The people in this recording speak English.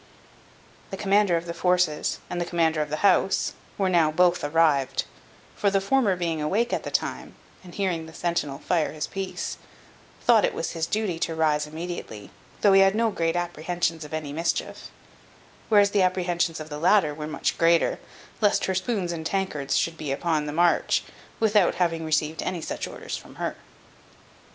The commander of the forces, and the commander of the house, were now both arrived; for the former being awake at the time, and hearing the centinel fire his piece, thought it his duty to rise immediately, though he had no great apprehensions of any mischief; whereas the apprehensions of the latter were much greater, lest her spoons and tankards should be upon the march, without having received any such orders from her.